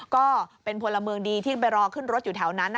ก็เป็นพลเมืองดีที่ไปรอขึ้นรถอยู่แถวนั้น